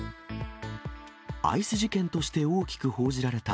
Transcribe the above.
アイス事件として大きく報じられた